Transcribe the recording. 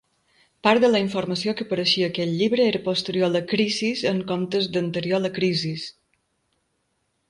Part de la informació que apareixia a aquest llibre era posterior a la "crisis" en comptes d'anterior a la "crisis".